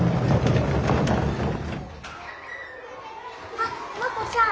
あっマコちゃん！